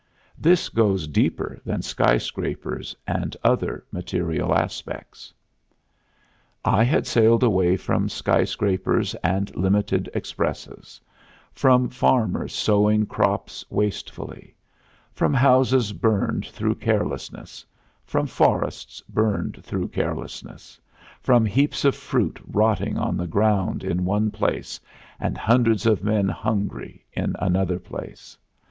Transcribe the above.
This goes deeper than skyscrapers and other material aspects. I had sailed away from skyscrapers and limited expresses; from farmers sowing crops wastefully; from houses burned through carelessness; from forests burned through carelessness; from heaps of fruit rotting on the ground in one place and hundreds of men hungry in another place.